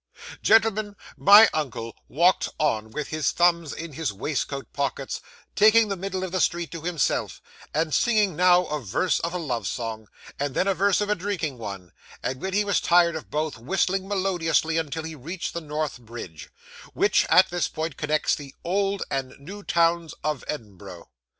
'Gentlemen, my uncle walked on with his thumbs in his waistcoat pockets, taking the middle of the street to himself, and singing, now a verse of a love song, and then a verse of a drinking one, and when he was tired of both, whistling melodiously, until he reached the North Bridge, which, at this point, connects the old and new towns of Edinburgh.